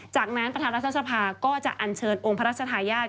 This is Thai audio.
จากนั้นประธานรัฐสภาก็จะอัญเชิญองค์พระราชทายาท